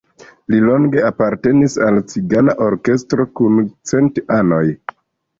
Li longe apartenis al "Cigana Orkestro kun cent anoj".